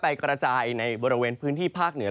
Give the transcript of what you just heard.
เป็นปัจจัยในบริเวณพื้นที่ภาคเหนือ